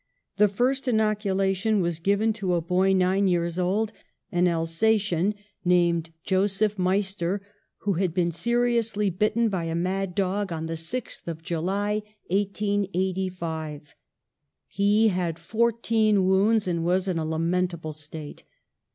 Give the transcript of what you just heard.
The first inoculation was given to a boy nine HYDROPHOBIA 171 years old, an Alsatian, named Joseph Meister, who had been seriously bitten by a mad dog on the 6th of July, 1885. He had fourteen wounds, and was in a lamentable state.